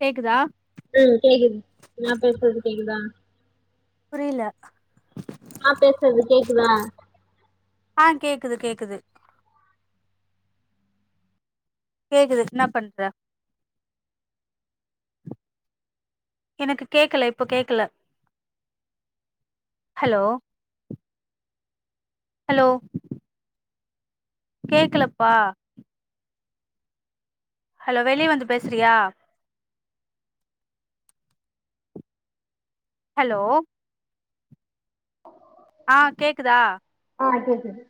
கேக்குதா ம் கேக்குது நா பேசுறது கேக்குதா புரில ஆ பேசுறது கேக்குதா ஆ கேக்குது கேக்குது கேக்குது என்ன பண்ற எனக்கு கேக்கல இப்ப கேக்கல ஹலோ ஹலோ கேக்கலப்பா ஹலோ வெளிய வந்து பேசுறியா ஹலோ ஆ கேக்குதா ஆ கேக்குது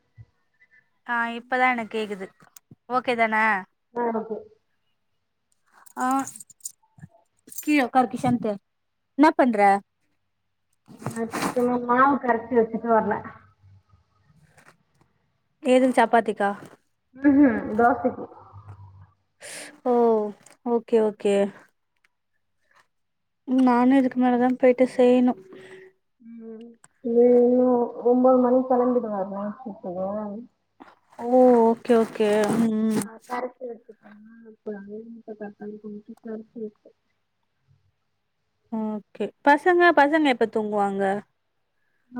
ஆ இப்பதா எனக்கு கேக்குது ஓகே தான ஆ ஒகே ஆ எனா பண்ற நா இப்பதா மாவு கரச்சி வச்சுட்டு வர்ரே ஏதுக்கு சப்பாத்திக்கா உஹம் தோசைக்கு ஓ ஓகே ஓகே நானு இதுக்கு மேலதா போயிட்டு செய்ணு ம் இன்னு ஒன்ம்பது மணி கலங்பிடுவாரா நைட்டு ஸ்ப்ட்டுக்கு ஓ ஓகே ஓகே ம் ம் ஆ கரைச்சி வச்சிடோம்னா இப்ப [unintelligible] ஓகே பசங்க பசங்க எப்போ தூங்குவாங்க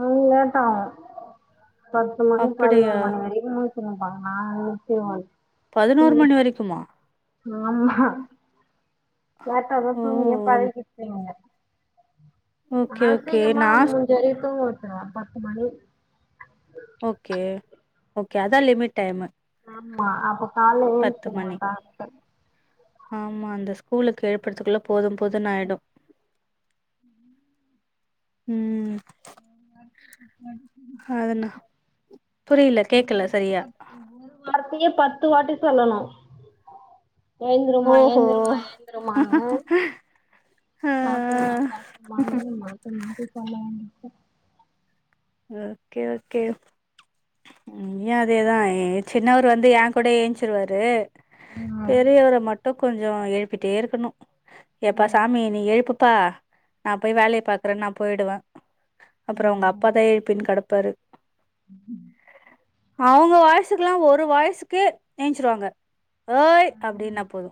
அது லேட்டாவு பத்து மணி அப்படியா பதினொரு மணி வரைக்கு முழிச் சிருப்பாங்க நா [unintelligible] பதினோரு மணி வரைக்குமா ஆமா லேட்டாவே தூங்கியே ஓ பழகிச்சிங்க ஓகே, நா ஓகே. சீக்கிரமா ஆ நான் முடிஞ்ச வரைக்கு தூங்க வச்சிருவே பத்து மணி ஓகே ஓகே அதா லிமிட் டைமு ஆமா அப்ப காலைல எழுஞ்சிருவா மணி. டாண்டு ஆமா அந்த ஸ்கூலுக்கு எழுப்புறதுக்குள்ள போது போதுனு ஆயிரு ம் அதுனா புரியல கேக்கல சரியா ஒரு வார்த்தையே பத்து வாட்டி சொல்லணு எழுந்துருமா ஓஹோ! எழுந்துருமா எழுந்திருமானு ஆ. சாப்டுமா சாப்டுமா அங்கும் மாத்தி மாத்தி சொல்ல வேண்டிருக்கு ஓகே ஓகே இங்கயு அதேதா சின்னவரு வந்து என் கூடயே என்ச்சிருவாரு ம் பெரியரவர மட்டு கொஞ்சோ எழுப்பிட்டே இருக்கணு எப்பா ம் சாமி நீ எழுப்பு பா நா போய் வேலைய பாக்கறேன்னு நா போயிடுவே அப்றோ ம் அவுங்க அப் பா ம் தா யெழுப்பிட்டு கெடப்பாரு அவுங்க வாய்சுகொல்லா ஒரு வாய்சுக்கே எஞ்சிருவாங்க ஓய் அப்டினா போது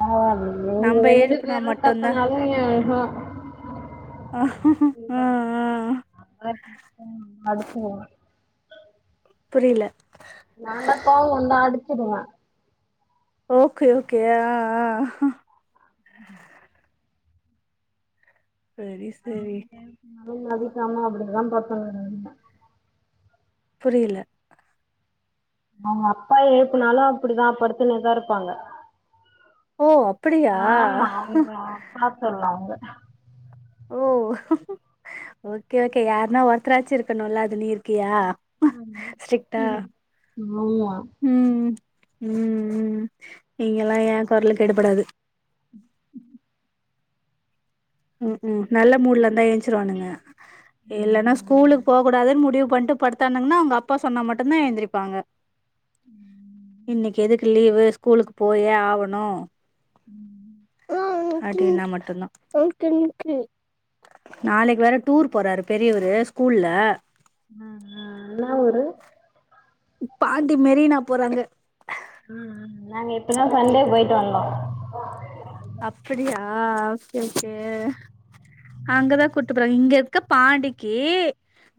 பரவால்ல இங்க நம்ம ரெண்டு எழுப்புனா பேரு மட்டுந்தா கத்துனாலு ஆ ஆ [unintelligible] புரியல நாந்தா கோபோ வந்தா அடிச்சிடுவே ஓகே ஓகே ஆ ஆ [inaudible] செரி சேரி நம்ம வீட்ல அம்மா அப்டிதா பாப்பாங்க புரியல அவ்ங்க அப்பா எழுப்புனாலு அப்டிதா படுத்துகினே தா இருப்பாங்க ஓ அப்படியா ஆமா அவுங்க அப்பா செல்லோ அவ்ங்க தா ஓ ஓகே ஓகே யாருன்னா ஒருத்தராச்சி இருக்கனுல அது நீர் கியா ஸ்ட்ரிக்ட் டா ஆமா ம் ம் ம் நீங்கல்லா ஏ குரலுக்கு எடுபடாது [inaudible] நல்ல மூட்ல இருந்தா ஏஞ்சிருவானுங்க இல்லன்னா ஸ்கூலுக்கு போ கூடாதுன் முடிவு பண்டு படுத்தானங்ன்னா அவ்ங்க அப்பா சொன்னா மட்டுந்தா எந்திரிப்பாங்க இன்னைக்கி எதுக்கு லீவு ஸ்கூலுக்கு போயே ஆவணு அடின்னா மட்டுந்தா நாளைக்கி வேற டூர் போறாரு பெரியவரு ஸ்கூல்ல ஆ ஆ என்னா ஊரு பாண்டி மெரினா போறாங்க ம் ம் நாங்க இப்பதா சண்டே போயிட்டு வந்தோ அப்படியா ஓகே ஓகே அங்கதா கூட்டு போறாங்க இங்க இருக்க பாண்டிக்கி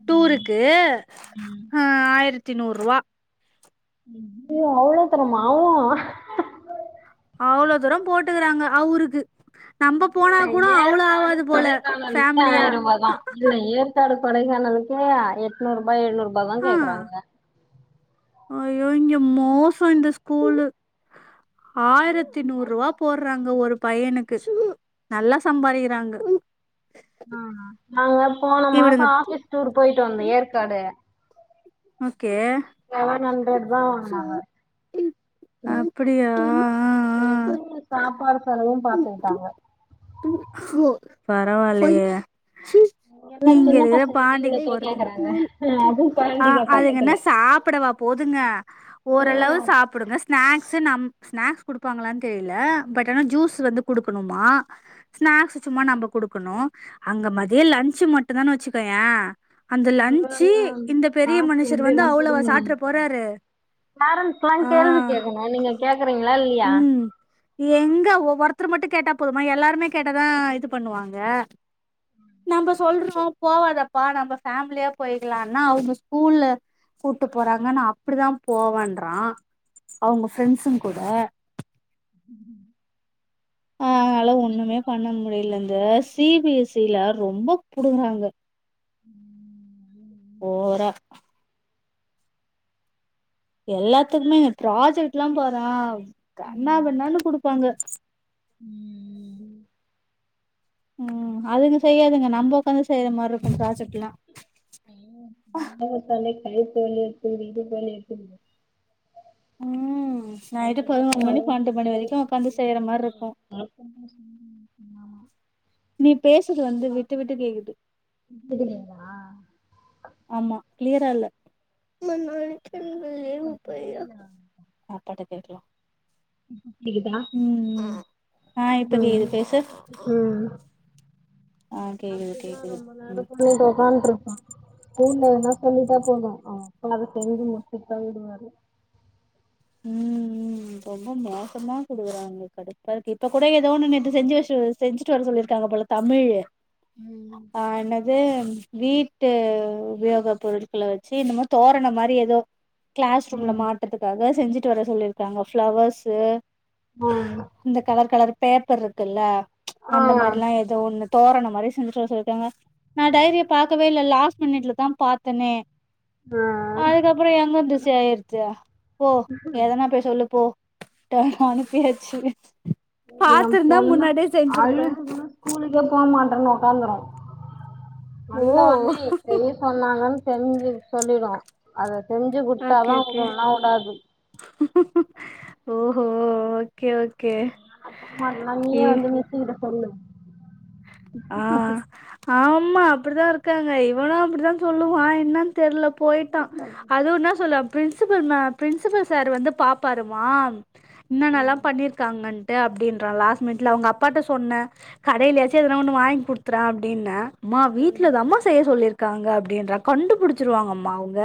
டூருக்கு ஆ ஆயிரத்தி நூறுவா ஓ அவ்ளோ தூரமா ஆவ்வு அவ்ளோ தூரோ போட்டுக்குறாங்க அவ்ருக்கு இல்ல ஏற்காடு போல கொடைக்கானல்கே ஃபேமிலியா ஆயிருவா தா இல்ல ஏற்காடு கொடைகானலுக்கே எட்நூறு ருபா எழ்நூறு ருபா தா கேக்குறாங்க அயோ இங்க மோசோ இந்த ஸ்கூலு ஆயிரத் த்தி நூறுவா போடுறாங்க ஒரு பையனுக்கு நல்லா சம்பாறிக்கிறாங்க ஆ நாங்க போன மாசோ இவனுங்க ஆபிஸ் டூர் போயிட்டு வந்தோ ஏற்காடு ஓகே செவன் ஹண்ட்ரட் தா வாங்கனாங்க ம் அப்டியா இத்தனைக்கு சாப்பாடு செலவு பாத்துக்கிட்டாங்க பரவால்லயே என்ன இங்க சின்ன இருக பசங்களுக்கு பாண்டிக்கு இவ்ளோத்துல போறதுகு கேக்குறாங்க அதுவு ஆ பழனில பக்கத்துல அதுங்கன்னா சாப்பட வா போதுங்க ஓரளவு ம் சாப் ப்டுங்க ஸ்நாக்ஸ்ஸு நம் ஸ்நாக்ஸ் கொடுப்பாங்களான்னு தெரியல பட் ஆனா ஜூஸ் வந்து குடுக்கணுமா ஸ்நாக்ஸ் சும்மா நம்ப குடுக்கணு அங்க மதியே லன்சு மட்டுதாணு வச்சுக்கயே அந்த லன்ச்சு இந்த பெரிய காசு மனுஷர் எப்டி வந்து அவ்வளோவா சாட்டுற போறாரு பேரன்ட்ஸ்ல்லா ஆ கேள்வி கேட்கணு நீங்க கேக்குறீங்களா இல்லியா ம் எங்க ஒ ஒருத்தர் மட்டு கேட்டா போதுமா எல்லாருமே கேட்டதா இது பண்ணுவாங்க நம்ம சொல்றோ போவாதப்பா நம்ம ஃபேமிலியா போயிக்கலான்னா அவங்க ஸ்கூல்ல கூட்டு போறாங்க நா அப்டி தா போவன்றா அவங்க ஃப்ரெண்ட்ஸ்ங் கூட [inaudible] நால ஒண்ணுமே பண்ண முடில இந்த சி பி எஸ் சி ல ரொம்ப புடுங்குறாங்க [inaudible] ஓவரா எல்லாத்துக்குமே ப்ராஜெக்ட்ல்லாம் பாரேன் கண்ணா பின்னானு குடுப்பாங்க ம் அதுங்க செய்யாதுங்க நம்ப ஒக்காந்து செய்யற மாரு இருக்கும் ப்ராஜெக்ட்ல்லா [unintelligible] ம் நைட்டு அப்றமா பதினோரு மணி அவங்க பண்டு மணி தேடி வரைக்கும் உக்காந்து செய்யற மார்க்கும் [unintelligible] நீ பேஸ்றது வந்து விட்டு விட்டு கேக்குது கேட்டுட்டீங்களா ஆமா கிளியரா இல்ல [unintelligible] [unintelligible] வெளில வாங்க அப்பாட்ட கேக்கலா இப்ப கேக்குதா ம் ஆ இப்ப ம் கேக்குது பேசு ம் ஆ கேக்குது அப்டிதா கேக்குது ரொம்ப நேர ம் பண்ணிட்டு ஒக்காந்துருப்பா ஸ்கூல்ல எதனா சொல்லிட்டா போதும் அவங்க அத செஞ்சி முடிச்சிட்டு தா விடுவாரு ம் ம் ரொம்ப மோசமா குடுகுறாங்க கடுப்பா இருக்கு இப்ப கூட ஏதோன்னு நேத்து செஞ்சி வச்சு செஞ்சிட்டு வர சொல்லியிருக்காங்க போல தமிழ் ம் ஆ என்னது வீட்டு உபயோக பொருட்கள வச்சி இன்னமோ தோரணம் மாரி எதோ கிளாஸ் ரூம்ல ம் மாட்றதுக்காக செஞ்சிட்டு வர சொல்லியிருக்காங்க ஃபிளவர்ஸ்சு ஆ இந்த கலர் கலர் பேப்பர் இருக்குல்ல ஆ அந்த மார்ல்லா ஆ எ தோன்னு தோரணம் மாரி செஞ்சுட்டு வர சொல்லிருக்காங்க நா டைரிய பாக்கவே இல்ல லாஸ்ட் மினிட்ல தா பாத்தனே ஆ அதுக்கப்புறம் எங்கருந்து செய்றது போ எதனா போய் சொல்லு போ டோன் அனுப்பியாச்சு எ பாத்துருந்தா பொண்ணு முன்னாடியே செஞ்சிருப்ப அழுதுக்குன்னு ஸ்கூலுக்கே போ மாட்டன்னு ஒக்காந்துரும் வந்த ஓ ஒடனே பெரிய சொன்னாங்கன்னு தெரிஞ்சத சொல்லிரும் அத செஞ்சு ஓகே குடுத்தாதா ஓகே வுடு இல்லனா வுடாது ஓஹோ ஓகே ஓகே மா நா நீயே ஏ வந்து மிஸ்கிட்ட சொல்லு ஆ ஆமா அப்டிதா இருக்காங்க இவனு அப்டிதா சொல்லுவா என்ன தெர்ல போயிட்டான் அதும் என்ன சொல்ல பிரின்ஸிபல் ம பிரின்ஸிபல் சார் வந்து பாப்பாருமா இன்னன்னல்லா பண்ணியிருக்காங்கன்ட் டே அப்டீன்றா லாஸ்ட் மினிட்ல அவங்க அப்பாட்ட சொன்ன கடையிலையாச்சி எதனா ஒண்ணு வாங்கி குடுத்தற அப்டீன்ன மா வீட்லதாம்மா செய்ய சொல்லியிருக்காங்க அப்டீன்றா கண்டுபுடிச்சிருவாங்கம்மா அவுங்க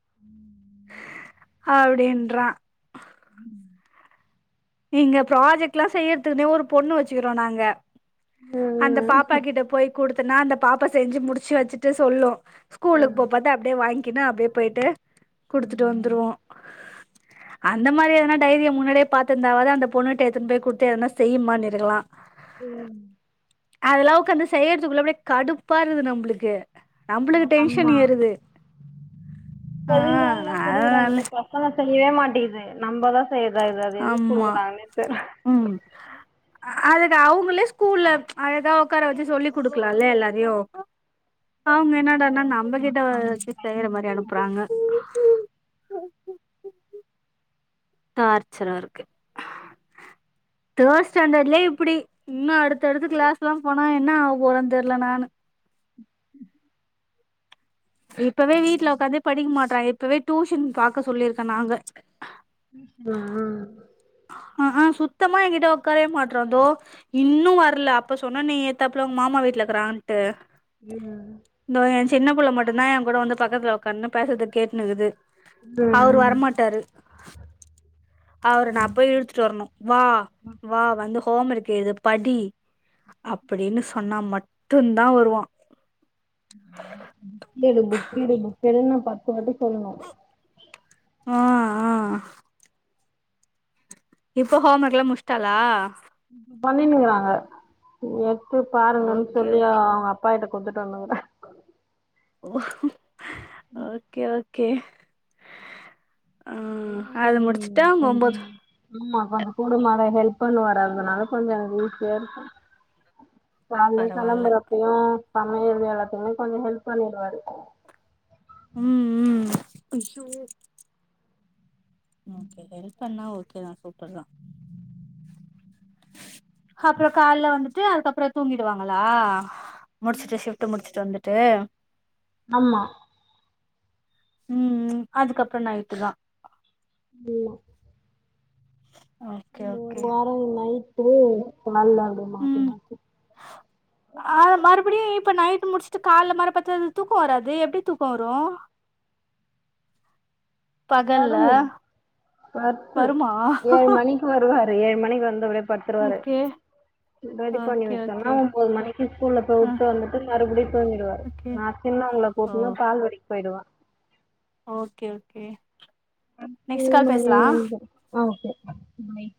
ம் ம் ம் அப்டின்றா ம் இங்க ப்ராஜெக்ட்ல்லா செய்றதுகுன்னே ஒரு பொண்ணு வச்சுறுக்றோ நாங்க அந்த ம் பாப்பா கிட்ட போய் குடுத்தன்னா அந்த பாப்பா செஞ்சி முடிச்சி வச்சிட்டு சொல்லு ம் ஸ்கூலுக்கு போம் போத அப்டே வாங்கினு அப்டியே போய்ட்டு குடுத்துட்டு ம் வந்துருவோ அந்த மாரி எதனா டைரிய முன்னாடியே பாத் திருந்தாவாது அந்த பொண்ணுகிட்ட எடுத்துன்னு போய் குடுத்து எதனா செய்யிம்மான்னு இருக்கலா ம் அதெல்லா உக்காந்து செய்யறதுக்குள்ளே அப்டே கடுப்பாருக்குது நம்ப்ளுக்கு நம்ப்ளுக்கு டென்ஷன் ஆமா ஏறுது ஆ அதனால [unintelligible] பசங்க செய்யவே மாட்டேங்கிது நம்பதா செய்யதாய்து அது எதுக் ஆமா குடுக்குறாங்ன்னே தெரிலே ம் ஆ அதுதா அவுங்களே ஸ்கூல்ல அழகா உக்கார வச்சு சொல்லி் குடுக்கலால்லே எல்லாரையு அவ்ங்க என்னடான்னா நம்பகிட்ட வச்சி செய்ற மாரி அனுப்புறாங்க டார்ச்சராருக்கு தேர்ட் ஸ்டேண்டர்ட்லே இப்புடி இன்னு அடுத்தடுத்து கிளாஸ் எல்லாம் போனா என்ன ஆக போறே தெரில நானு இப்பவே வீட்ல உக்காந்து படிக்க மாட்றா இப்பவே டூஷன் பாக்க சொல்லியிருக்கேகோ நாங்க ஆ ஆ ஆ சுத்தமா எங்கிட்ட உக்காரவே மாட்றா தோ இன்னு வரல அப்ப சொன்னா நீ ஏத்தாப்புல உ மாமா வீட்லருக்கிறான்ட்டு ம் இதோ என் சின்ன புள்ள மட்டுந்தா என் கூட வந்து பக்கத்துல உக்கான்னு பேசறத கேட்னுக்குது அவரு ம் வரமாட்டாரு அவரு நா போய் இழுத்துட்டு வரணும் வா வா வந்து ஹோம் ஓர்க்கு ஏ இத படி அப்டின்னு சொன்னா மட்டு தான் வருவா புக்கெடு புக்கெடு புக் எடுன்னு நா பத்து வாட்டி சொல்லணு ம் ஆ ஆஹ் இப்ப ஹோம் ஓர்க் எல்லாம் முடிச்சிட்டாலா பண்ணனுங்கறாங்க எடுத்து பாருங்கன்னு ஓகே சொல்லி ஓகே அவங்க அப் பாட்ட கொடுத்துட்டு வந்தோங்க ஓகே ஓகே ஆ அத முடிச்சுட்டா மோம்போது ஆம்மா கொஞ்சோ கூட மாட ஹெல்ப் பண்ணுவாரு அதனால கொஞ்சோ எனக்கு ஈசியாருக்கு காலைல பரவால்ல கெளம்பறப்பையும் சமையல் வேலக்யு கொஞ்சோ ஹெல்ப் பண்ணிடுவாரு ம் ம் அய்யோ ஓகே ஹெல்ப் பண்ணா ஓகே தா சூப்பர் தா ஹப்றோ கால்ல வந்துட்டு அதுக்கப்றோ தூங்கிடுவாங்களா முடிச்சுட்டு ஷிஃப்டு முடிச்சுட்டு வந்துட்டு ஆமா ம் அதுக்கப்றோ நைட்டு தா ஆமா ஓகே இந்த ஒரு ஓகே வார நைட்டு மல்லாடு மாத்தி ம் மாத்தி ஆ மறுபடி இப்ப நைட்டு் முடிச்சுட்டு கால்ல மரப்பத்தாது தூக்கோ வராது எப்டி தூக்கோ வரு பகல்ல வருமே பத்து வருமா ஏழு மணிக்கு வருவாரு ஏழு மணிக்கு வந்தவரு படுத்துருவாரு ஓகே ரெடி பண்ணி ஓகே வச்சோம்னா ஓகே ஒன்பது மணிக்கு ஸ்கூல்ல போய் ஆ உட்டுவந்து மறுபடியு தூங்கிடுவாரு ஓகே நா சின்ன அவங்கள ஓ குட்டுட்டு பால் வாடிக்கு போயிடுவே okay okay next call same அதே பேசலா ஆ ஓகே பாய்